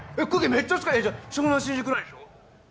めっちゃ近いえっじゃあ湘南新宿ラインでしょ